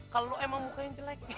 kalau lo emang mukain jelek